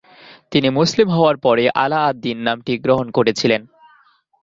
তিনি মুসলিম হওয়ার পরে আলা-আদ-দ্বীন নামটি গ্রহণ করেছিলেন।